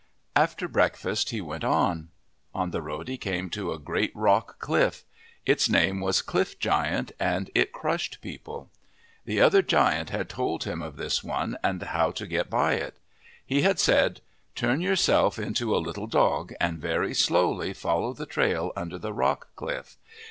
After breakfast he went on. On the road he came to a great rock cliff. Its name was ClifF Giant and it crushed people. The other giant had told him of this one, and how to get by it. He had said, " Turn 6 81 MYTHS AND LEGENDS yourself into a little dog and very slowly follow the trail under the Rock Cliff.